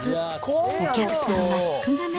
お客さんは少なめ。